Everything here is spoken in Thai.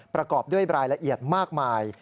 ประกอบด้วยรายละเอียดมากมาย